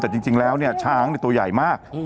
แต่จริงแล้วเนี่ยช้างตัวใหญ่มาก